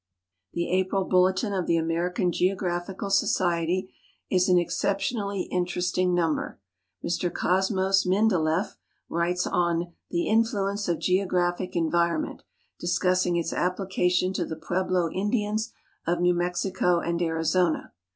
The April Bulletin of the American Geographical Society is an exception ally interesting number. Mr Cosmos MindelefF writes on " The Influence of Geographic Environment," discussing its application to the Pueblo In dians of New Mexico and Arizona.